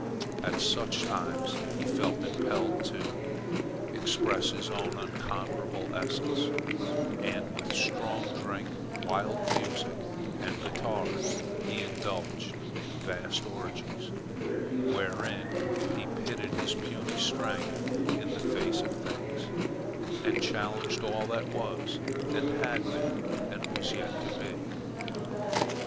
At such times he felt impelled to express his own unconquerable essence; and with strong drink, wild music, and Batard, he indulged in vast orgies, wherein he pitted his puny strength in the face of things, and challenged all that was, and had been, and was yet to be.